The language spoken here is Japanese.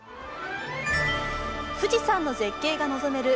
富士山の絶景が望める